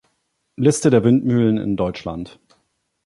Liste der Windmühlen in Deutschland